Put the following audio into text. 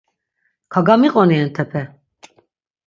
Kagamiqoni entepe!